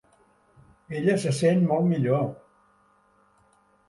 Ella se sent molt millor.